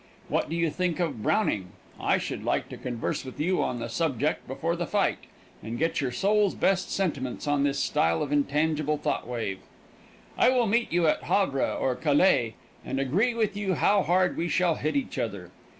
What do you think of Browning? I should like to converse with you on the subject before the fight, and get your soul's best sentiments on his style of intangible thought wave. I will meet you at Havre or Calais, and agree with you how hard we shall hit each other.